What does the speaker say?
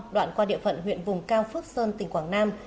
đoạn qua địa phận huyện vùng cao phước sơn tỉnh quảng nam